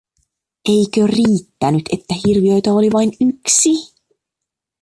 Eikö riittänyt, että hirviöitä oli vain yksi?